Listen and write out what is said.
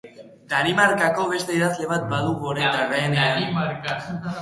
Danimarkako beste idazle bat badugu orain trenean.